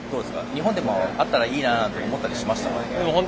日本でもあったらいいなとか思ったりしました？